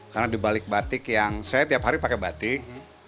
karena dibalik batik yang saya tiap hari pakai batik